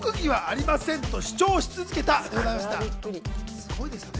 すごいですよね。